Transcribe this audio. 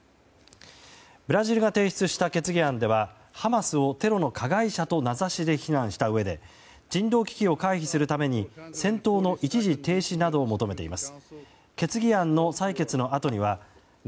ブラジルが提出した決議案ではハマスをテロの加害者と名指しで非難したうえで人道危機を回避するために戦闘の一時停止などを求めています。